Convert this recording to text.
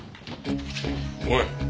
おい。